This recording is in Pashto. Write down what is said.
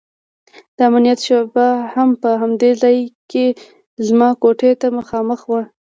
د امنيت شعبه هم په همدې ځاى کښې زما کوټې ته مخامخ وه.